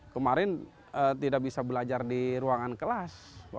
kemarin tidak bisa belajar di ruangan kelas